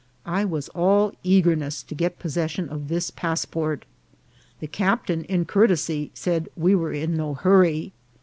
I was all eagerness to get possession of this passport. The captain, in courtesy, said we were in no hurry.